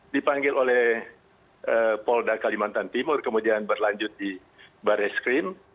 dipanggil oleh polda kalimantan timur kemudian berlanjut di barreskrim